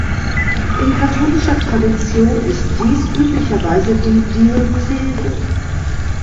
In katholischer Tradition ist dies üblicherweise die Diözese.